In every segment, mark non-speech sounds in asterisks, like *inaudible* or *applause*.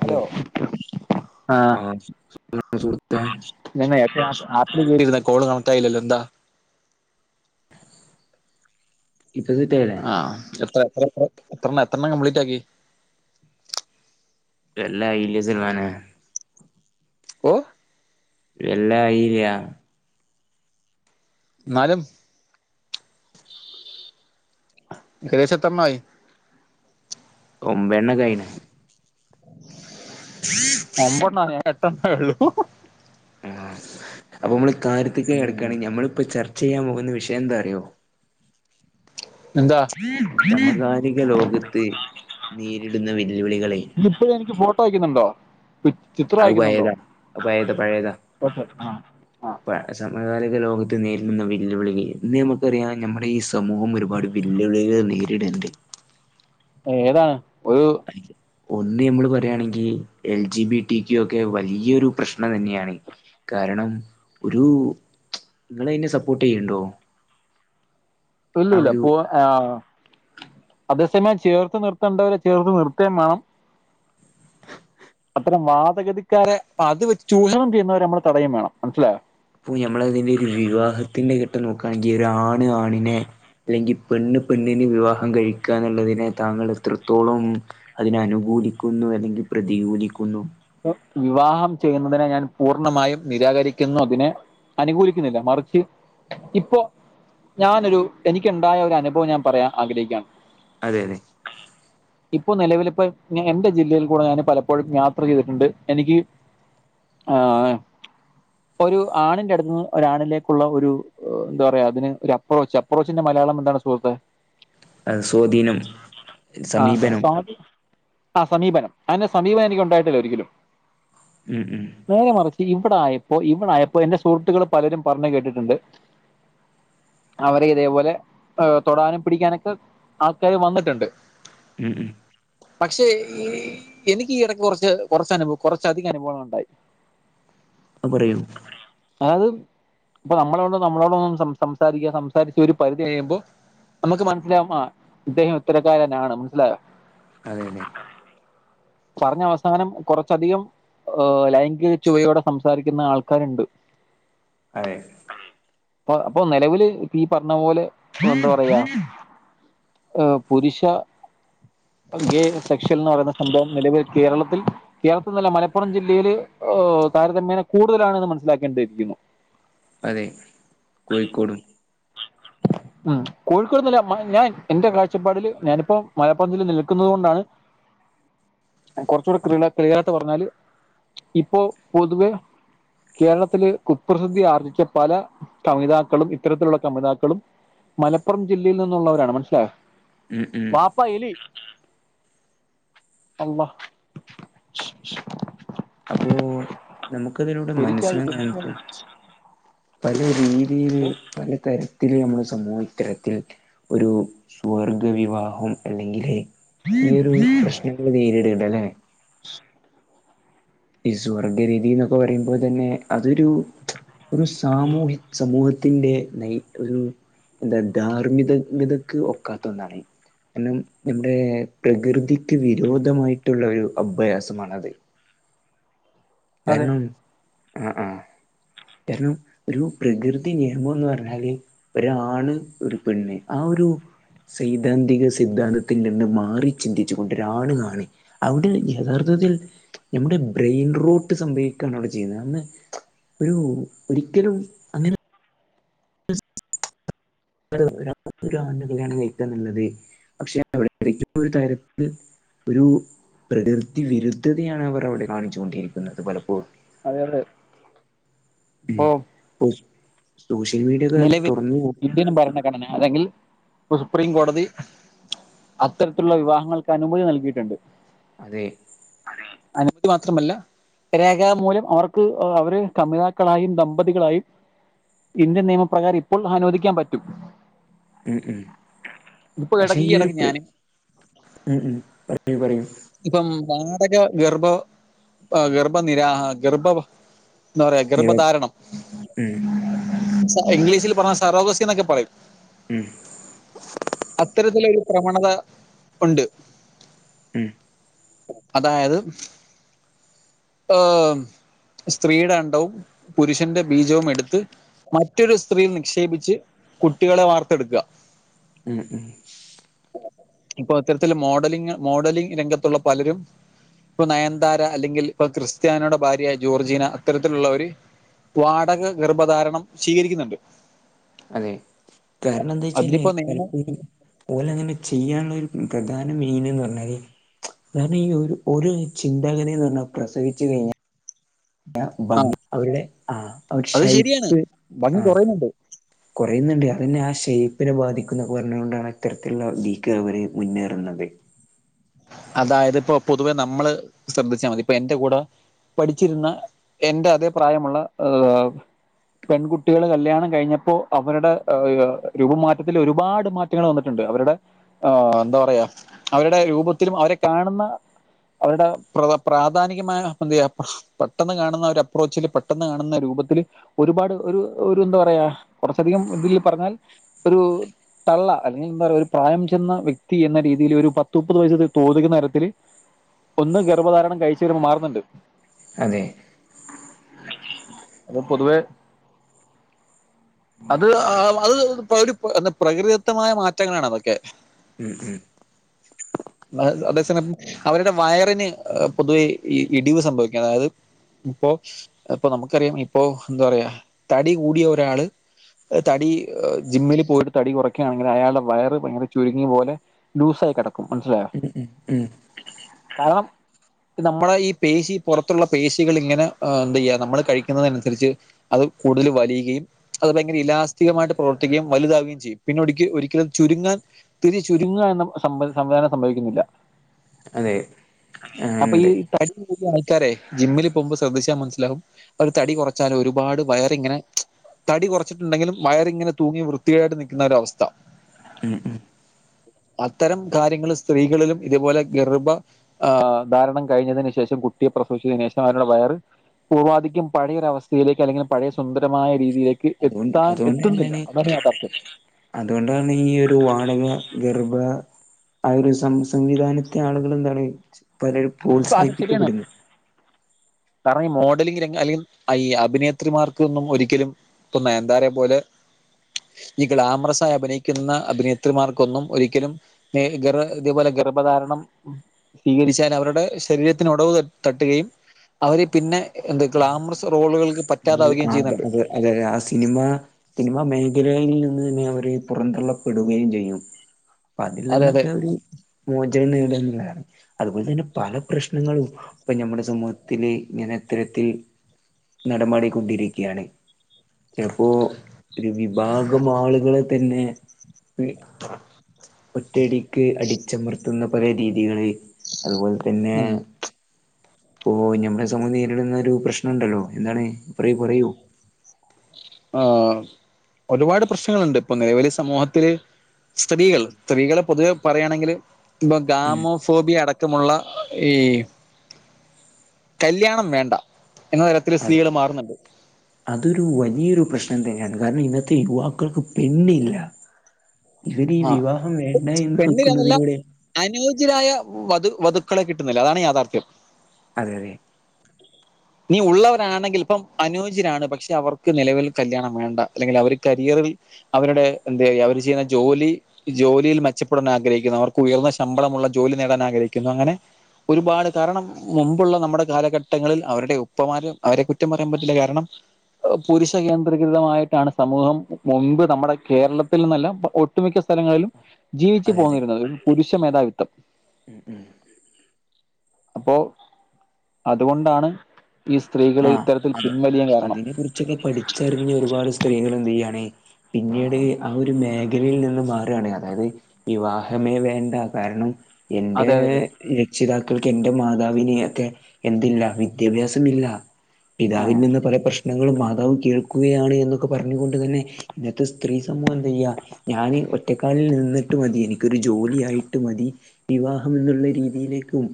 Hello സുഹൃത്തേ ഞാന് നേരത്തെ ആപ്ആപ്പില് കേറിയിരിന്ന് കോള് കണക്ടായിലല്ലോ എന്താ *unintelligible* ആഹ എത്ര എത്ര എത്ര എത്ര എണ്ണം എത്രണ്ണം കംപ്ലീറ്റ് ആക്കി *unintelligible* ഓ എല്ലാ ആയീലാ ന്നാലും കേസ് എത്രണ്ണായി ഒമ്പേണ്ണം കഴി ഒമ്പെണ്ണം ആയോ എട്ടെണ്ണം ആയൊള്ളൂ ആഹ് അപ്പൊ മ്മള് കാര്യത്തിക്ക് കടക്കാണ്. ഞമ്മളിപ്പോ ചർച്ചെയ്യാൻ പോകുന്ന വിഷയന്താറിയോ? എന്താ? ഇക ലോകത്ത് നേരിടുന്ന വെല്ലുവിളികളെ ഇപ്പഴും എനിക്ക് ഫോട്ടോ അയക്കുന്നുണ്ടോ? പിക് ചിത്രം അത് അയക്കുന്നുണ്ടോ? പയേതാ അത് പയേതാ പഴയതാ ഒ കെ ആഹ് ആഹ് *unintelligible* *unintelligible* സമകാലിക ലോകത്ത് നേരിടുന്ന വെല്ലുവിളികൾ ഇന്ന് നമുക്കറിയാം നമ്മുടെ ഈ സമൂഹം ഒരുപാട് വെല്ലുവിളികൾ നേരിട്ണ്ട് ഏതാ ഒരു *inaudible* ഒന്ന് നമ്മള് പറയാണെങ്കി L G B T Q ഒക്കെ വലിയൊരു പ്രശ്നം തന്നെയാണ് കാരണം ഒരു നിങ്ങളതിന് സപ്പോർട്ട് ചെയ്യ്ണ്ടോ ഇല്ല ഇല്ല പോവാ ആഹ അതേസമയം ചേർത്ത് നിർത്തേണ്ടവരെ ചേർത്ത് നിർത്തേം വേണം അത്തരം വാതഗതിക്കാരെ, പ്പ അത് വെച്ച് ചൂഷണം ചെയ്യുന്നവരെമ്മള് തടയും വേണം മനസ്സിലായോ പ്പൊ ഞമ്മളതിൻ്റെ ഒരു വിവാഹത്തിന്റെ ഘട്ടം നോക്കാണെങ്കി ഒരു ആണ് ആണിനെ അല്ലെങ്കിൽ പെണ്ണ് പെണ്ണിന് വിവാഹം കഴിക്കുക എന്നുള്ളതിനെ താങ്കൾ എത്രത്തോളം അതിനെ അനുകൂലിക്കുന്നു അല്ലെങ്കിൽ പ്രതികൂലിക്കുന്നു വിവാഹം ചെയ്യുന്നതിനെ ഞാൻ പൂർണമായും നിരാകരിക്കുന്നു അതിനെ അനുകൂലിക്കുന്നില്ല മറിച്ച് ഇപ്പൊ ഞാനൊരു എനിക്കുണ്ടായ ഒരു അനുഭവം ഞാൻ പറയാൻ ആഗ്രഹിക്കുകയാണ് അതെ അതെ ഇപ്പൊ നിലവിലിപ്പോ ഞ എന്റെ ജില്ലയിൽ കൂടെ ഞാന് പലപ്പോഴും യാ *unintelligible* ചെയ്തിട്ടുണ്ട് എനിക്ക് ആഹ *inaudible* ഒരു ആണിന്റെടുത്ത്ന്ന് ഒരാണിലേക്കുള്ള ഒരു എന്താ പറയാ അതിന് ഒരു അപ്രോച്ച് അപ്രോച്ചിന്റെ മലയാളം എന്താണ് സുഹൃത്തെ അ സ്വാധീനം സമീപനം ആഹ് സമീപനം. അതിൻ്റെ സമീപനം എനിക്ക് ഉണ്ടായിട്ടില്ല ഒരിക്കലും ഉം ഉം നേരെ മറിച്ച് ഇവിടായപ്പോ ഇവിടായപ്പോ എന്റെ സുഹൃത്തുക്കള് പലരും പറഞ്ഞ് കേട്ടിട്ടുണ്ട് അവരെ ഇതേപോലെ തൊടാനും പിടിക്കാനൊക്കെ ആൾക്കാര് വന്നിട്ട്ണ്ട് ഉം ഉം പക്ഷെ ഈ എനിക്കീ ഇടക്ക് കുറച്ച് ച്ച് കുറച്ച് അനുഭവം കുറച്ച് അധിക അനുഭവം ഉണ്ടായി ആഹ പറയൂ ആത് ഇപ്പൊ നമ്മളെ കൊണ്ട് നമ്മളോട് ഒന്നും സംസാരിക്കുക സംസാരിച്ച് ഒരു പരിധി കഴിയുമ്പോൾ നമുക്ക് മനസ്സിലാവും ആ അദ്ദേഹം ഇത്തരക്കാരനാണ് മനസ്സിലായോ അതെ അതെ പറഞ്ഞ അവസാനം കുറച്ചധികം ഹ ലൈംഗിക ചുവയോടെ സംസാരിക്കുന്ന ആൾക്കാരുണ്ട്. *unintelligible* അപ്പ നിലവില് ഈ പറഞ്ഞ പോലെ എന്താ പറയാ... പുരുഷ ഗെ സെക്ഷൽന്ന് പറയുന്ന സംഭവം നിലവിൽ കേരളത്തിൽ കേരളത്തിൽന്നല്ല മലപ്പുറം ജില്ലയില്, ഓ.. താരതമ്യേന കൂടുതലാണെന്ന് മനസ്സിലാക്കേണ്ടിയിരിക്കുന്നു അതേ കോഴിക്കോട് ഉ ഉം കോഴിക്കോട് ന്ന് അല്ല. മ ഞാൻ എന്റെ കാഴ്ചപ്പാടില് ഞാനിപ്പോ മലപ്പുറംജില്ലെ നിൽക്കുന്നുന്നത് കൊണ്ടാണ് കുറച്ചൂടെ ക്രിയ ക്രിയറായിട്ട് പറഞ്ഞാല് ഇപ്പൊ പൊതുവെ കേരളത്തില് കുപ്രസിദ്ധി ആർജിച്ച പല കമിതാക്കളും ഇത്തരത്തിലുള്ള കമിതാക്കൾ.... ളും മലപ്പുറം ജില്ലയിൽ നിന്നുള്ളവരാണ് മനസ്സിലയോ ഉം... ഉം... പയില് അള്ള... ശ് ശ് അപ്പോൊ നമുക്കതിലൂടെ പെരിച്ചാഴി പെരിച്ചാഴി മനസ്സിലാവുന്നതെന്താ പല രീതിയില് പല തരത്തില് നമ്മള് സമൂഹത്തിരക്കിൽ ഒരു സ്വർഗ വിവാഹം അല്ലെങ്കില്... ഈ ഒരു പ്രശ്നങ്ങള് നേരിടണ്ട അല്ലേ ഈ സ്വർഗരീതി എന്നൊക്കെ പറയുമ്പോൾ തന്നെ അതൊരു ഒരു സാമൂഹി സമൂഹത്തിന്റെ നെയ് ഒരു ധ ധാർമ്മിത തതയക്ക് ഒക്കാത്ത ഒന്നാണ് കാരണം നമ്മുടെ പ്രകൃതിക്ക് വിരോധമായിട്ടുള്ള ഒരു അഭ്യാ സമാണത്. അതെ കാരണം ആഹ ആഹ.. കാരണം ഒരു പ്രകൃതി നിയമം എന്ന് പറഞ്ഞാല്.. ഒരാണ്, ഒരു പെണ്ണ് ആ ഒരു.. സൈദ്ധാന്തിക സിദ്ധാന്തത്തിൽ നിന്ന് മാറി ചിന്തിച്ചുകൊണ്ട് രാണ് കാണി അവിടെ യഥാർത്ഥത്തിൽ നമ്മുടെ ബ്രെയിൻ റോട്ട്.. സംഭവിക്കാണ് അവിടെ ചെയ്യുന്നത് അ ഒരു ഒരിക്കലും... അങ്ങനെ ഒരാണ് കല്യാണം കഴിക്കാ എന്നുള്ളത് പക്ഷെ അറേഞ്ച്ഡ് മാര്യേജ് ന്റെ കാര്യത്തിൽ ഒരു പ്രകൃതി വിരുദ്ധതയാണ് അവർ അവിടെ കാണിച്ചുകൊണ്ടിരിക്കുന്നത് പലപ്പോഴും. അതെ അതെ ഇപ്പൊ.. ഉം സോഷ്യൽ മീഡിയക്കെ നിലവിൽ തൊറന്നു നോ ഭരണഘടന അല്ലെങ്കിൽ സുപ്രീം കോടതി.. അത്തരത്തിലുള്ള വിവാഹങ്ങൾക്ക് അനുമതി നൽകിയിട്ട്ണ്ട് അതെ അനുമതി മാത്രമല്ല രേഖാമൂലം അവർക്ക് അവര് കമിതാക്കളായും ദമ്പതികളായും നിയമപ്രകാരർ ഇപ്പോൾ അനുവദിക്കാൻ പറ്റും ഉം.. ഉം.. ഇപ്പൊ പക്ഷേ ഇടയ്ക്ക് ഈ ഒരു ഇടയ്ക്ക് ഹ്മ് ഞാൻ ഹ്മ് പറയൂ പറയൂ ഇപ്പം വാടക ഗർഭ ഗർഭനിരാഹ ഗർഭ സോറി നിര ഗർഭധാരണം ഉം ഇംഗ്ലീഷിൽ പറഞ്ഞ സറോഗസി എന്നൊക്കെ പറയും ഉം അത്തരത്തിലൊരു പ്രവണത ഉണ്ട് ഉം അതായത് ഹ് സ്ത്രീയുടെ അണ്ടവും പുരുഷന്റെ ബീജവും എടുത്ത് മറ്റൊരു സ്ത്രീൽ നിക്ഷേപിച്ച് കുട്ടികളെ വാർത്തെടുക്കുക. ഉം ഉം ഇപ്പൊ ഇത്തരത്തില് മോഡലിങ് മോഡലിങ് രംഗത്തുള്ള പലരും ഇപ്പൊ നയന്താര അല്ലെങ്കിൽ ഇപ്പൊ ക്രിസ്ത്യാനയുടെ ഭാര്യ ജോർജീന അത്തരത്തിലുള്ള ഒരു വാടക ഗർഭധാരണം സ്വീകരിക്കുന്നുണ്ട് അതെ കാരണം എന്താച്ചാൽ അതിനിപ്പോ നിയമം പലപ്പോഴും ഓ ലെ ങ്ങനെ ചെയ്യാനുള്ള ഒരു പ്രധാന മൈയിനന്ന് പറഞ്ഞാൽ അതാണ് ഈ ഒരു ഒരു ചിന്താഗതീന്ന് പറഞ്ഞാൽ പ്രസവിച്ചു കഴിഞ്ഞാൽ ആ അവരുടെ ആ അവർ അത് ശരിയാണ് ഷൈപ്പ് ഭംഗി ആ കുറയുന്നുണ്ട് കുറയുന്നുണ്ട്. അതന്നെ ആ ഷേപ്പിനെ ബാധിക്കുംന്നൊക്കെ പറഞ്ഞുകൊണ്ടാണ് ഇത്തരത്തിലുള്ള വീക്ക് അവർ മുന്നേറുന്നത് അതായത് ഇപ്പോ പൊതുവെ നമ്മള് ശ്രദ്ധിച്ചാൽ മതി ഇപ്പൊ എന്റെ കൂടെ പഠിച്ചിരുന്ന എന്റെ അതേ പ്രായമുള്ള ഹ പെൺകുട്ടികള് കല്യാണം കഴിഞ്ഞപ്പോ അവര്ടെ ആഹ് ഹ് രൂപമാറ്റത്തിൽ ഒരുപാട് മാറ്റ *unintelligible* വന്നിട്ടുണ്ട് അവരുടെ ആ എന്താ പറയാ അവരുടെ രൂപത്തിലും അവരെ കാണുന്ന അവരുടെ പ്ര പ്രാഥാനികമായ ന്തയ്യാ പെട്ടെന്ന് കാണുന്ന ഒരു അപ്രോച്ചില് പെട്ടെന്ന് കാണുന്ന രൂപത്തില് ഒരുപാട് ഒരു ഒരു ന്താ പറയാ കുറച്ചധികം ഇതിൽ പറഞ്ഞാൽ ഒരു തള്ള അല്ലെങ്കിൽ ന്താ പറയ ഒരു പ്രായം ചെന്ന വ്യക്തി എന്ന രീതിയിൽ ഒരു പത്ത് മുപ്പത് വയ *unintelligible* തരത്തിൽ ഒന്ന് ഗർഭധാരണം കഴിച് വരുമ്പോ മാറുന്നുണ്ട്! അതെ *inaudible* അത് പൊതുവെ അത് അ അ അത് ഒ പ്ര ന്താ പ്രകൃതിദത്തമായ മാറ്റങ്ങളാണ് അതൊക്കെ! ഉം ഉം അ അ അതേസമയം അവരുടെ വയറിന് പൊതുവെ ഇടിവ് സംഭവിക്കാ അതായത്, ഇപ്പോ ഇപ്പൊ നമുക്കറിയാം ഇപ്പോ എന്താ പറയാ തടി കൂടിയ ഒരാള്, തടി ജിമ്മിൽ പോയി തടി കുറക്കണെങ്കിൽ അയാളുടെ വയറ് ഭയങ്കര ചുരുങ്ങിയ പോലെ ലൂസായി കിടക്കും മനസ്സിലായേ? ഉം ഉം കാരണം നമ്മള ഈ പേശി പുറത്തുള്ള പേശികൾ ഇങ്ങനെ ഏ എന്തയ്യ നമ്മള് കഴിക്കുന്നതിനനുസരിച്ച് അത് കൂടുതൽ വലിയുകയും അത് ഭയങ്കര ഇലാസ്ഥികമായിട്ട് പ്രവർത്തിക്കുകയും വലുതാവുകയും ചെയ്യും പിന്നെ ഒിടിക്ക ഒരിക്കലും ചുരുങ്ങാൻ തിരിചുരുങ്ങ എന്ന സംവൽ സംവിധാനം സംഭവിക്കുന്നില്ല! അതെ അപ്പൊ ഈ അങ്ങനുണ്ട് തടികൂടിയ ആൾക്കാരെ ജിമ്മിൽ പോകുമ്പോ ശ്രദ്ധിച്ച മനസ്സിലാകും അവർ തടി കുറച്ചാലും ഒരുപാട് വയറിങ്ങനെ തടി കുറച്ചിട്ടുണ്ടെങ്കിലും വയറിങ്ങനെ തൂങ്ങി വൃത്തിയേടായിട്ട് നിൽക്കുന്ന ഒരു അവസ്ഥ ഉം ഉം അത്തരം കാര്യങ്ങൾ സ്ത്രീകളിലും ഇതുപോലെ ഗർഭ ആഹ് ധാരണം കഴിഞ്ഞതിനു ശേഷം കുട്ടിയെ പ്രസവിച്ചതിനു ശേഷം അവരുടെ വയറ് പൂർവാധിക്യം പയയൊരവസ്ഥയിലേക്ക് അല്ലെങ്കിൽ പഴയ സുന്ദരമായ രീതിയിലേക്ക് അതുകൊണ്ട് എത്താൻ അതുകൊണ്ട് എത്തുന്നില്ല തന്നെയാണ് അതാണ് യാഥാർഥ്യം അതുകൊണ്ടാണ് ഈ ഒരു വാണിങ് ഗർഭ ആ ഒരു സം സംവിധാനത്തെ ആളുകൾ എന്താണ് പലരും അപ്പൊ അത് ശരിയാണ് പ്രോത്സാഹിപ്പിക്കപ്പെടുന്നത് കാരണം ഈ മോഡലിംങ് രംഗം അല്ലെങ്കിൽ ഈ അയ് അഭിനേത്രിമാർക്കൊന്നും ഒരിക്കലും പ്പൊ നയന്താരെ പോലെ ഈ ഗ്ലാമറസായി അഭിനയിക്കുന്ന അഭിനേത്രിമാർക്കൊന്നും ഒരിക്കലും ഈ ഗർ ഇതേപോലെ ഗർഭധാരണം സ്വീകരിച്ചാൽ അവരുടെ ശരീരത്തിന് ഉടവ് ത തട്ടുകയും അവര് പിന്നെ എന്ത് ഗ്ലാമറസ് റോളുകൾക്ക് അവര് പറ്റാതാവുകയും ആത് ചെയ്യുന്നുണ്ട്? അത് അതെ തെ ആ സിനിമ സിനിമാ മേഖലയിൽ നിന്ന് തന്നെ അവര് പുറന്തള്ളപ്പെടുകയും ചെയ്യും! അപ്പതിൽ അതെ അതെ നിന്നൊക്കെ ഒരു മോചനം നേടന്ന്ള്ളാണ് അതുപോലെ തന്നെ പല പ്രശ്നങ്ങളും അപ്പൊ ഞമ്മളെ സമൂഹത്തില് ഇങ്ങനെ ഇത്തരത്തിൽ നടമാടിക്കൊണ്ടിരിക്യാണ് ചിലപ്പോ ഒരു വിഭാഗം ആളുകളെ തന്നെ. ഒറ്റടിക്ക് അടിച്ചമർത്തുന്ന പല രീതികളിൽ. അതുപോലെ തന്നെ പ്പോ ഞമ്മളെ സമൂഹം നേരിടുന്ന പ്രശ്നണ്ടല്ലോ എന്താണ് പറയൂ പറയൂ ആ ഒരുപാട് പ്രശ്നങ്ങളുണ്ട് ഇപ്പൊ നിലവിൽ സമൂഹത്തില് സ്ത്രീകൾ സ്ത്രീകളെ പൊതുവെ പറയാണെങ്കിൽ ഇപ്പ ഉം ഗാമോ ഫോബിയ അടക്കമുള്ള ഈ കല്യാണം വേണ്ട എന്ന തരത്തില് അതെ സ്ത്രീകള് മാറുന്നുണ്ട്! അതൊരു വലിയൊരു പ്രശ്നം തന്നെയാണ് കാരണം ഇന്നത്തെ യുവാക്കൾക്ക് പെണ്ണില്ല! ഇവര് ഈ ആഹ് വിവാഹം വേണ്ട എന്ന് പെണ്ണിനെന്നല്ല വയ്ക്കുന്നതിലൂടെ അനുയോജ്യരായ വധു വധുക്കളെ കിട്ടുന്നില്ല. അതാണ് യാഥാർത്ഥ്യം. അതെ അതെ. ഇനീ ഉള്ളവരാണെങ്കിൽ ഇപ്പം അനുയോജരാണ്, പക്ഷെ അവർക്ക് നിലവിൽ കല്യാണം വേണ്ട അല്ലെങ്കിൽ അവർ കരിയറിൽ. അവരുടെ എന്തേ അവര് ചെയ്യുന്ന ജോലി. ജോലിയിൽ മെച്ചപ്പെടാൻ ആഗ്രഹിക്കുന്നു. അവർക്ക് ഉയർന്ന ശമ്പളമുള്ള ജോലി നേടാൻ ആഗ്രഹിക്കുന്നു. അങ്ങനെ ഒരുപാട് കാരണം മുമ്പുള്ള നമ്മുടെ കാലഘട്ടങ്ങളിൽ അവരെ ഉപ്പമാരും അവരെ കുറ്റം പറയാൻ പറ്റില്ല കാരണം. പുരുഷ കേന്ദ്രീകൃതമായിട്ടാണ് സമൂഹം മുൻപ് നമ്മുടെ കേരളത്തിൽ നിന്നല്ല ഒട്ടുമിക്ക സ്ഥലങ്ങളിലും. ജീവിച്ചു അതെ അതെ പോന്നിരുന്നത്, ഒരു പുരുഷ മേധാവിത്വം. ഉം ഉം അപ്പോ അതുകൊണ്ടാണ് ഈ സ്ത്രീകള് ഇത്തരത്തിൽ പിൻവലിയാൻ കാരണം. ച്ചൊക്കെ പഠിച്ചറിഞ്ഞ ഒരുപാട് സ്ത്രീകൾ എന്ത് ചെയ്യാണ് പിന്നീട് ആ ഒരു മേ മേഖലയിൽ നിന്ന് മാറുകയാണ് അതായത് വിവാഹമേ വേണ്ട കാരണം എന്റെ അതെ അതെ അതെ രക്ഷിതാക്കൾക്ക് എന്റെ മാതാവിനെ ഒക്കെ എന്തില്ല വിദ്യാഭ്യാസമില്ല. ആ പിതാവിൽ നിന്ന് പല പ്രശ് പ്രശ്നങ്ങളും മാതാവ് കേൾക്കുകയാണ് എന്നൊക്കെ പറഞ്ഞുകൊണ്ട് തന്നെ ഇന്നത്തെ സ്ത്രീ സമൂഹം എന്ത് ചെയ്യാ. ഞാന് ഒറ്റക്കാലിൽ നിന്നിട്ട് മതി. എനിക്കൊരു ജോലി ആയിട്ട് മതി. വിവാഹം എന്നുള്ള രീതിയിലേക്കും.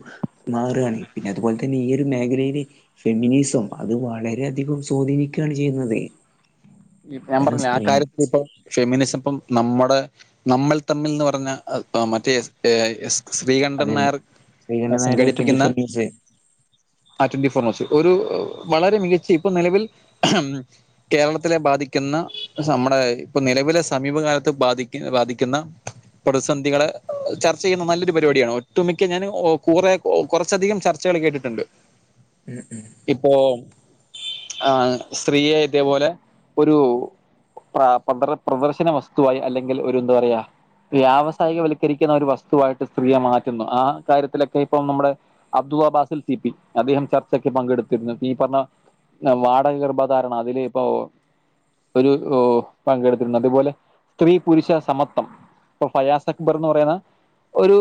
മാറുകയാണ്. പിന്നെ അതുപോലെ തന്നെ ഈ ഒരു മേഖലയില് ഫെമിനി സം. അത് വളരെയധികം സ്വാധീനിക്കുകയാണ് ചെയ്‌യുന്നത്. ഇപ്പം ഞാൻ പറഞ്ഞില്ലെ ആ കാര്യത്തി ഇപ്പം ഫെമിനിസം ഇപ്പം നമ്മുടെ നമ്മൾ തമ്മിൽ എന്ന് പറഞ്ഞ മറ്റേ ശ്രീകണ്ഠൻ അതെ നായർ ശ്രീകണ്ഠൻ നായരെ ട്വന്റി സംഘടിപ്പിക്കുന്ന ഫോർ ന്യൂസ് ആ ട്വന്റി ഫോർ ന്യൂസ്‌ ഒരു വളരെ മികച്ച ഇപ്പൊ നിലവിൽ കേരളത്തി ത്തിലെ ബാധിക്കുന്ന, നമ്മുടെ ഇപ്പൊ നിലവിലെ സമീപകാലത്ത് ബാധിക്ക ബാധിക്കുന്ന പ്രതിസന്ധികളെ ചർച്ച ചെയ്യുന്ന നല്ലൊരു പരിപാടിയാണ്. ഒട്ടുമിക്ക ഞാൻ കുറെ കുറച്ചധികം ചർച്ച ചർച്ചകൾ കേട്ടിട്ടുണ്ട്. ഉം ഉം. ഇപ്പോ ആ സ്ത്രീയെ ഇതേപോലെ ഒരു പ്ര പ്ര പ്രദർശന വസ്തുവായി അല്ലെങ്കിൽ ഒരു എന്ത് പറയാ വ്യാവസായികവൽക്കരിക്കുന്ന ഒരു വസ്തുവായിട്ട് സ്ത്രീയെ മാറ്റുന്നു. ആ കാര്യത്തിലൊക്കെ ഇപ്പം നമ്മുടെ അബ്ദു അബാസിൽ സി പി അദ്ദേഹം ചർച്ചക്ക് പങ്കെടുത്തിരുന്നു. ഈ പറഞ്ഞ വാടക ഗർഭധാരണ അതില് ഇപ്പൊ ഒരു പങ്കെടുത്തിട്ടുണ്ട്. അതുപോലെ സ്ത്രീ പുരുഷ സമത്വം. ഇപ്പ ഫയാസ് അക്ബർ എന്ന് പറയുന്ന ഒരു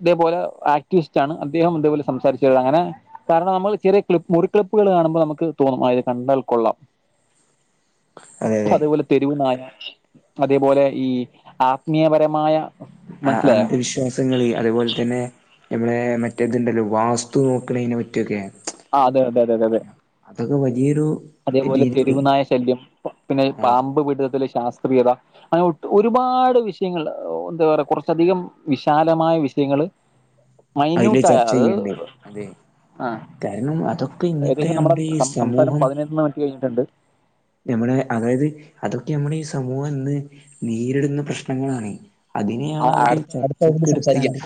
ഇതേപോലെ ആക്ടിവിസ്റ്റ് ആണ്. അദ്ദേഹം ഇതേപോലെ സംസാരിച്ച് അങ്ങനെ. കാരണം നമ്മൾ ചെറിയ ക്ലിപ്പ്, മുറി ക്ലിപ്പുകൾ കാണുമ്പോൾ നമുക്ക് തോന്നും അത് കണ്ടാൽ കൊള്ളാം. അതെ അതെ അതേപോലെ തെരുവു നായ. അതേപോലെ ഈ ആത്മീയപരമായ ആ മനസ്സിലായോ അന്ധവിശ്വാസം. സങ്ങള്, അതേപോലെ തന്നെ നമ്മളെ മറ്റേതുണ്ടല്ലോ, വാസ്തു നോക്കണെ പറ്റിയൊക്കെ. ആ അതെ അതെ അതെ. അതൊക്കെ വലിയൊരു അതേപോലെ രീതിയില് തെരുവുനായ ശല്യം പിന്നെ ആ പാമ്പു പിടിത്തത്തിലെ ശാസ്ത്രീയത. അങ്ങനെ ഒട്ടു ഒരുപാട് വിഷയങ്ങള്. എന്താ പറയാ കുറച്ചധികം വിശാലമായ വിഷയങ്ങള് അതില് ചർച്ച ചെയ്യണ്ടേ അതെ. ആ കാരണം, അതൊക്കെ ഇന്നത്തെ നമ്മുടെ ഈ സമൂഹം. പതിനെട്ടണ്ണം ഒക്കെ എഴുതിട്ടുണ്ട്. നമ്മുടെ അതായത് അതൊക്കെ നമ്മുടെ ഈ സമൂഹം ഇന്ന് നേരിടുന്ന പ്രശ്നങ്ങളാണ് ആ, അതിനെയാണവര് അടുത്ത അടുത്ത ഇതിൽ ചർച്ചക്ക് സംസാരിക്കാം ഇടുക്കാണ്ട്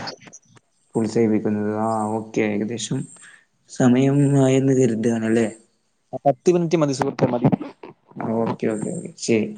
ബുൾസൈ വിക്കുന്നത് ആ ഓക്കെ ഏകദേശം സമയം ആയെന്ന് കര്താണല്ലെ ആഹ് പത്ത് മിനിറ്റി മതി സുഹ് ർ ത്തെ മതി ആഹ് ഓക്കെ ഓക്കെ ശരി